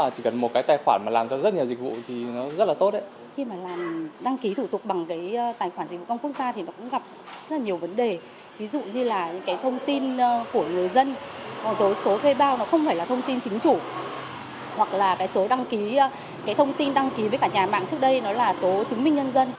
chính chủ hoặc là cái số đăng ký cái thông tin đăng ký với cả nhà mạng trước đây nó là số chứng minh nhân dân